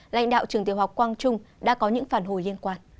lãnh đạo trường tiểu học quang trung đã có những phản hồi liên quan